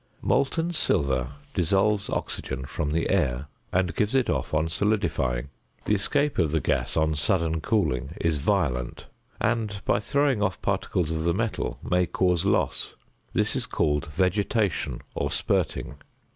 Molten silver dissolves oxygen from the air and gives it off on solidifying; the escape of the gas on sudden cooling is violent and, by throwing off particles of the metal, may cause loss. This is called "vegetation" or "spirting."